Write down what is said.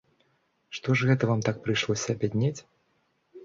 Што ж гэта вам так прыйшлося абяднець?